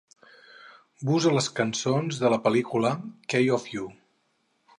Busa les cançons de la pel·lícula "Key of you.